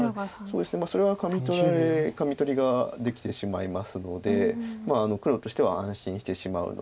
それはカミ取りができてしまいますのでまあ黒としては安心してしまうので。